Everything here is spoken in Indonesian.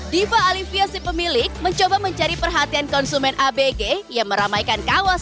diva aliviasi pemilik mencoba mencari perhatian konsumen abg yang meramaikan kawasan